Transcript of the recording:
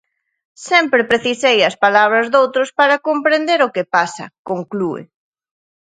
Sempre precisei as palabras doutros para comprender o que pasa, conclúe.